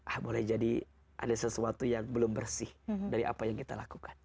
ah boleh jadi ada sesuatu yang belum bersih dari apa yang kita lakukan